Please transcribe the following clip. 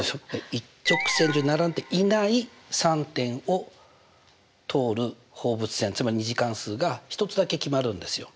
一直線上に並んでいない３点を通る放物線つまり２次関数が１つだけ決まるんですよ。